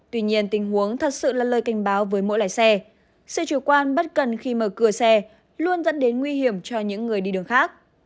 tuy nhiên tình huống thật sự là lời cảnh báo với mỗi lái xe sự chủ quan bất cần khi mở cửa xe luôn dẫn đến nguy hiểm cho những người đi đường khác